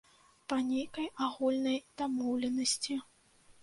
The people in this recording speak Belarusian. Па нейкай агульнай дамоўленасці.